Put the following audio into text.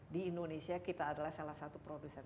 di indonesia kita adalah salah satu produsen